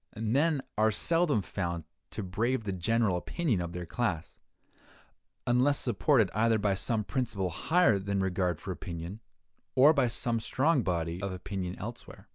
Men are seldom found to brave the general opinion of their class, unless supported either by some principle higher than regard for opinion, or by some strong body of opinion elsewhere.